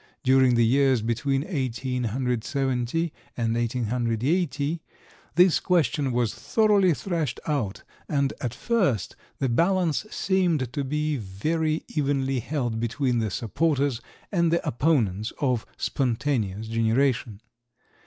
During the years between 1870 and 1880, this question was thoroughly thrashed out, and at first the balance seemed to be very evenly held between the supporters and the opponents of spontaneous generation.